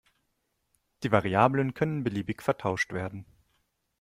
Die Variablen können beliebig vertauscht werden.